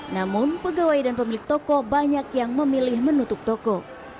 namun pegawai dan pemilik toko banyak yang memilih menutup toko